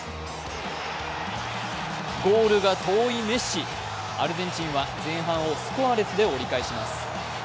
ゴールが遠いメッシアルゼンチンは前半をスコアレスで折り返します。